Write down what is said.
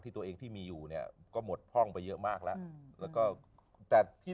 ตัวเองที่มีอยู่เนี่ยก็หมดพ่องไปเยอะมากแล้วแล้วก็แต่ที่